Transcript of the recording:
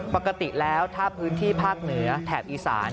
ปกติแล้วถ้าพื้นที่ภาคเหนือแถบอีสาน